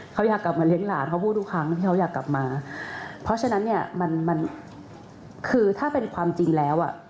เขาอยากกลับมาเลี้ยงหลานเขาพูดทุกครั้งที่เขาอยากกลับมาเพราะฉะนั้นเนี่ยมันมันคือถ้าเป็นความจริงแล้วอ่ะ